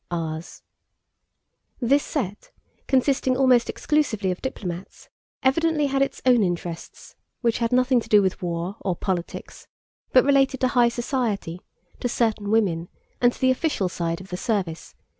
* This set, consisting almost exclusively of diplomats, evidently had its own interests which had nothing to do with war or politics but related to high society, to certain women, and to the official side of the service.